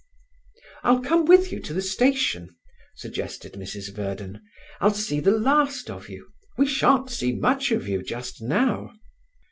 "I'll come with you to the station," suggested Mrs Verden. "I'll see the last of you. We shan't see much of you just now."